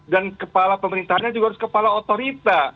dan kepala pemerintahnya juga harus kepala otorita